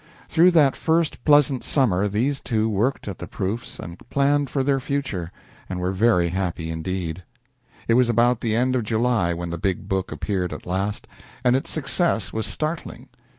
Through that first pleasant summer these two worked at the proofs and planned for their future, and were very happy indeed. It was about the end of July when the big book appeared at last, and its success was startling.